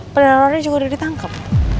penerornya juga udah ditangkap